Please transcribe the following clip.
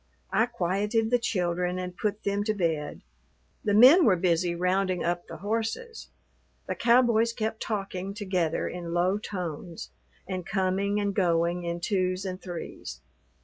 I quieted the children and put them to bed. The men were busy rounding up the horses. The cowboys kept talking together in low tones and coming and going in twos and threes.